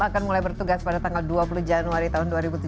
akan mulai bertugas pada tanggal dua puluh januari tahun dua ribu tujuh belas